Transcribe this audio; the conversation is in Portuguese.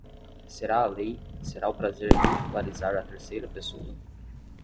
Será a lei, será o prazer ridicularizar a terceira pessoa?